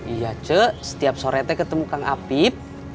iya cek setiap sore teh ketemu kang apip